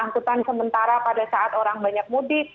angkutan sementara pada saat orang banyak mudik